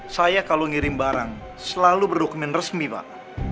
saya kalau ngirim barang selalu berdokmen resmi pak